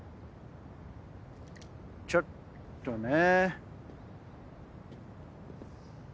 ちょっとね。